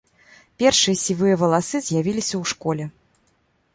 Першыя сівыя валасы з'явіліся ў школе.